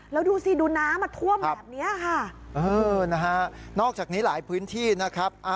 แล้วดูสิดูน้ำมาท่วมแบบนี้ค่ะนะฮะนอกจากนี้หลายพื้นที่นะครับ